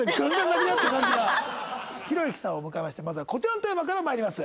ひろゆきさんを迎えましてまずはこちらのテーマからまいります。